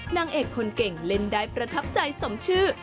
นางเอกคนเก่งเล่นได้ประทับใจสมชื่อ